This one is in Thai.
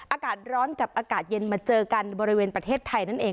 อากาศร้อนกับอากาศเย็นมาเจอกันบริเวณประเทศไทยนั่นเอง